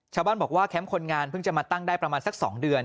ชาวบ้านบอกว่าแคมป์คนงานเพิ่งจะมาตั้งได้ประมาณสัก๒เดือน